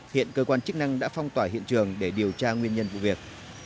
hiện cơ quan chức năng đã phong tỏa hiện trường để điều tra nguyên nhân vụ việc